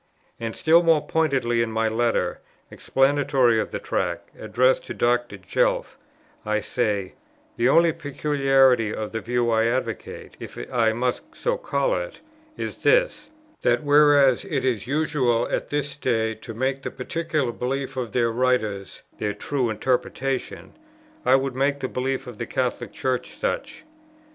And still more pointedly in my Letter, explanatory of the Tract, addressed to Dr. Jelf, I say: "The only peculiarity of the view I advocate, if I must so call it, is this that whereas it is usual at this day to make the particular belief of their writers their true interpretation, I would make the belief of the Catholic Church such.